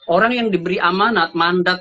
orang yang diberi amanat mandat